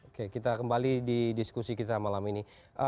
oke kita kembali di diskusi kita malam ini